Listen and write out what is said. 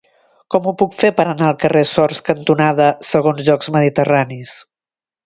Com ho puc fer per anar al carrer Sors cantonada Segons Jocs Mediterranis?